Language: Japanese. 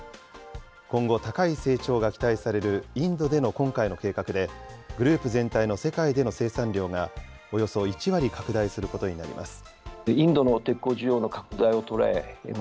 今後、高い成長が期待されるインドでの今回の計画で、グループ全体の世界での生産量が、およそ１割拡大することになります。